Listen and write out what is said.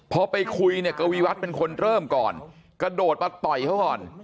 พอไปคุยเนี่ยกวีวัฒน์เป็นคนเริ่มก่อนกระโดดมาต่อยเขาก่อน